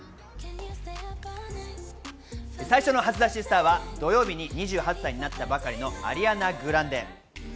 最初の初出しスターは土曜日に２８歳になったばかりのアリアナ・グランデ。